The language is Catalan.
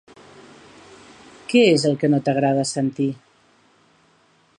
Què és el que no t'agrada sentir?